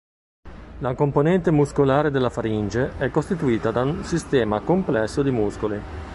La componente muscolare della faringe è costituita da un sistema complesso di muscoli.